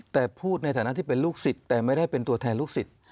แต่พูดในฐานะที่เป็นลูกศิษย์แต่ไม่ได้เป็นตัวแทนลูกศิษย์